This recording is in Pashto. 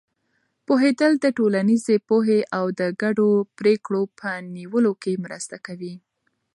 پوهېدل د ټولنیزې پوهې او د ګډو پرېکړو په نیولو کې مرسته کوي.